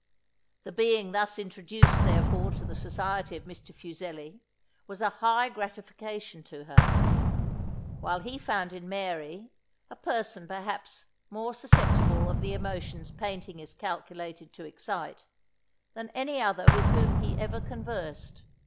The being thus introduced therefore to the society of Mr. Fuseli, was a high gratification to her; while he found in Mary, a person perhaps more susceptible of the emotions painting is calculated to excite, than any other with whom he ever conversed.